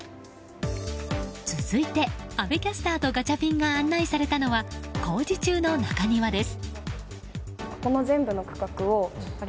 続いて、阿部キャスターとガチャピンが案内されたのは工事中の中庭です。